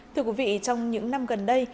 thưa quý vị trong những năm gần đây